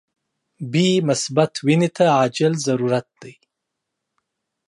بی مثبت وینی ته عاجل ضرورت دي.